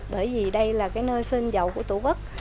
bởi vì đây là nơi phên dầu của tổ quốc